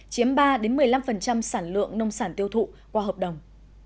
chiếm ba một mươi năm sản lượng nông sản tiêu thụ qua hợp đồng